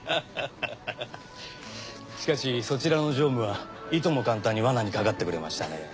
しかしそちらの常務はいとも簡単に罠にかかってくれましたね。